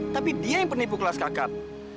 tapi dia yang penipu kelas kakap